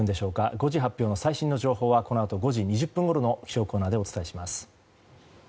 ５時発表の最新の情報はこのあと５時２０分ごろの気象コーナーでお伝えします。